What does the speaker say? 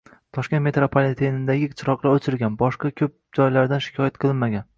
Toshkent metropolitenidagi chiroqlar o'chirilgan, boshqa ko'p joylardan shikoyat qilinmagan